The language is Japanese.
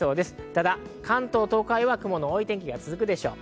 ただ関東、東海は雲の多い天気が続くでしょう。